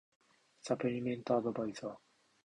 サプリメントアドバイザー